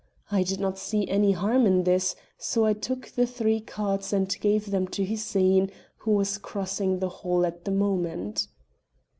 I did not see any harm in this, so I took the three cards and gave them to Hussein, who was crossing the hall at the moment."